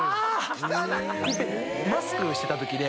マスクしてたときで。